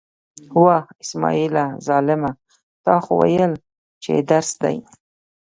وه! اسمعیله ظالمه، تا خو ویل چې درس دی.